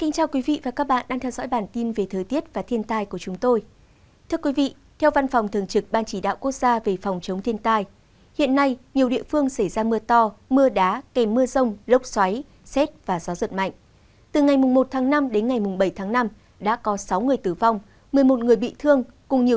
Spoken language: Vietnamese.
các bạn hãy đăng ký kênh để ủng hộ kênh của chúng tôi nhé